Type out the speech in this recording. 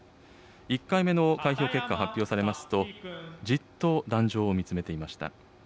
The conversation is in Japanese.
１回目の開票結果、発表されますと、じっと壇上を見つめていました。